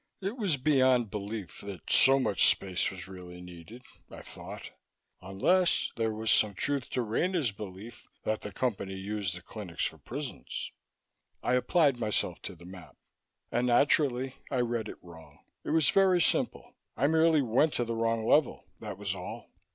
It was beyond belief that so much space was really needed, I thought unless there was some truth to Rena's belief that the Company used the clinics for prisons.... I applied myself to the map. And, naturally, I read it wrong. It was very simple; I merely went to the wrong level, that was all.